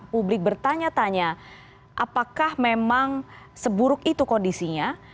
publik bertanya tanya apakah memang seburuk itu kondisinya